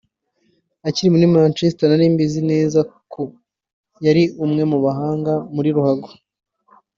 Akiri muri Manchester nari mbizi neza ko yari umwe mu bahanga muri ruhago